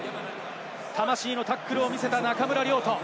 魂のタックルを見せた中村亮土。